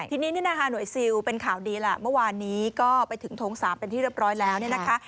ทีนี้นี่นะคะหน่วยซิลเป็นข่าวดีแหละเมื่อวานนี้ก็ไปถึงโถง๓เป็นที่เรียบร้อยแล้วเนี่ยนะคะ